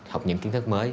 học những kiến thức mới